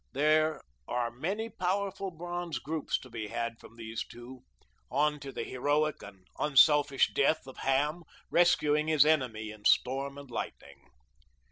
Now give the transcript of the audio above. There are many powerful bronze groups to be had from these two, on to the heroic and unselfish death of Ham, rescuing his enemy in storm and lightning.